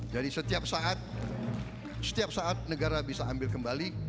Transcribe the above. jadi setiap saat setiap saat negara bisa ambil kembali